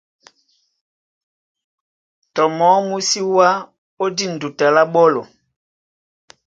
Tɔ mɔɔ́ mú sí wá ó dîn duta lá ɓɔ́lɔ.